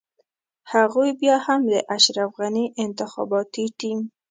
هغوی بيا هم د اشرف غني انتخاباتي ټيم.